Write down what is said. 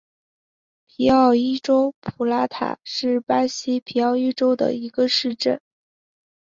皮奥伊州普拉塔是巴西皮奥伊州的一个市镇。